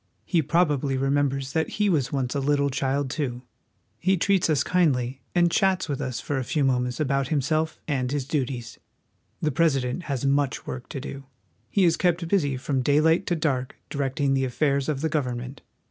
He probably remembers that he was once a little child, too. He treats us kindly, and chats with us for a few moments about himself and his duties. THE CAPITOL. 29 The President has much work to do. He is kept busy from daylight to dark directing the affairs of the govern ment.